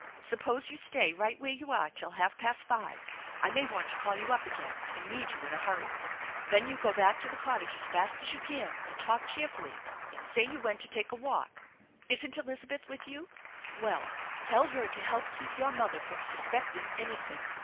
Suppose you stay right where you are till half past five. I may want to call you up again and need you in a hurry. Then you go back to the cottage as fast as you can and talk cheerfully. Say you went to take a walk. Isn't Elizabeth with you? Well, tell her to help keep your mother from suspecting anything.